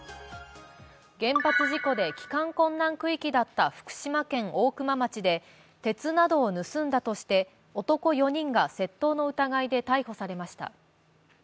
原発事故で帰還困難区域だった福島県大熊町で、鉄などを盗んだとして男４人が窃盗の疑いで逮捕されました。